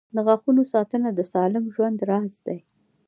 • د غاښونو ساتنه د سالم ژوند راز دی.